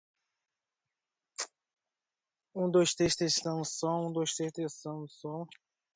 Inovações rápidas surgem em projetos de código aberto.